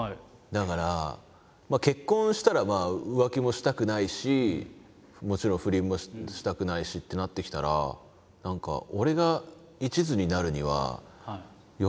だから結婚したら浮気もしたくないしもちろん不倫もしたくないしってなってきたら何かハハハハ！